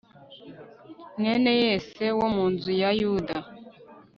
mwene yese, wo mu nzu ya yuda